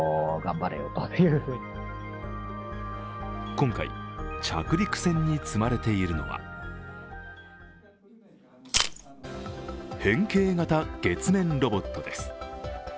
今回着陸船に積まれているのは変形型月面ロボットです。